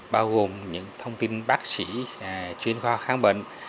bao gồm những thông tin bác sĩ chuyên khoa khám bệnh